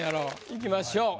いきましょう。